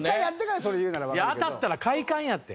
いや当たったら快感やって。